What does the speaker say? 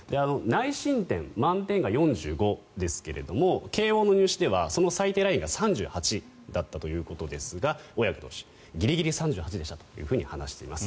内申点、満点が４５ですけれども慶応の入試ではその最低ラインが３８だったということで小宅投手、ギリギリ３８でしたと話しています。